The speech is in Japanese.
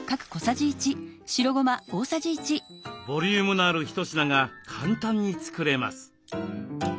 ボリュームのある一品が簡単に作れます。